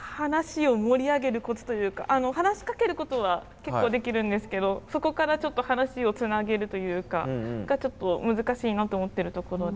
話しかけることは結構できるんですけどそこからちょっと話をつなげるというかがちょっと難しいなと思ってるところで。